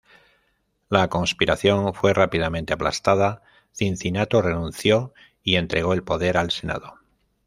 La conspiración fue rápidamente aplastada, Cincinato renunció y entregó el poder al Senado.